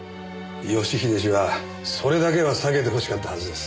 義英氏はそれだけは避けてほしかったはずです。